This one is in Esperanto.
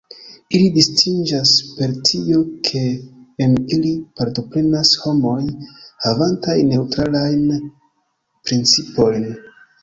Ili distingiĝas per tio, ke en ili partoprenas homoj, havantaj neŭtralajn principojn.